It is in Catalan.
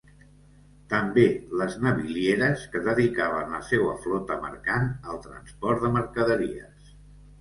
També les navilieres que dedicaven la seua flota mercant al transport de mercaderies.